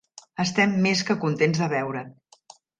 Estem més que contents de veure't.